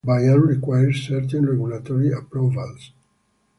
A change in control of Bayan requires certain regulatory approvals.